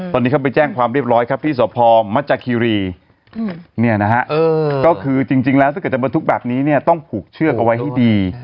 ตอนนี้เขาไปแจ้งความเรียบร้อยครับที่สพมัจจคีรีเนี่ยนะฮะก็คือจริงแล้วถ้าเกิดจะบรรทุกแบบนี้เนี่ยต้องผูกเชือกเอาไว้ให้ดี